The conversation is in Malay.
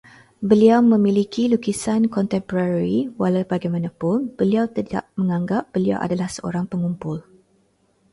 Beliau memiliki lukisan kontemporari, walaubagaimanapun beliau tidak menganggap beliau adalah seorang pengumpul